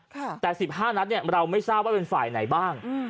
ค่ะแต่สิบห้านัดเนี้ยเราไม่ทราบว่าเป็นฝ่ายไหนบ้างอืม